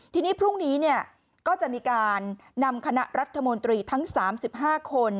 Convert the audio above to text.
ทีนี้พรุ่งนี้ก็จะมีการนำคณะรัฐมนตรีทั้ง๓๕คน